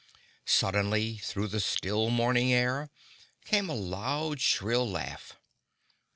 Suddenly, through the still morning air, came a loud, shrill laugh.